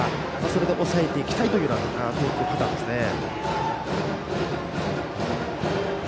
それで抑えていきたいという投球パターンですね。